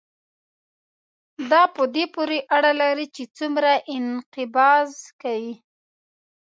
دا په دې پورې اړه لري چې څومره انقباض کوي.